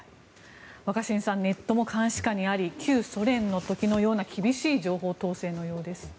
若新さんネットも監視下にあり旧ソ連の時のような厳しい情報統制のようです。